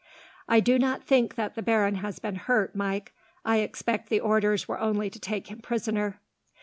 "I do not think that the baron has been hurt, Mike. I expect the orders were only to take him prisoner."